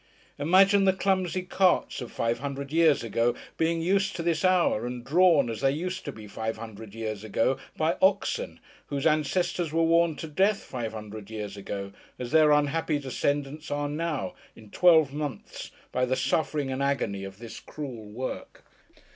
Imagine the clumsy carts of five hundred years ago, being used to this hour, and drawn, as they used to be, five hundred years ago, by oxen, whose ancestors were worn to death five hundred years ago, as their unhappy descendants are now, in twelve months, by the suffering and agony of this cruel work!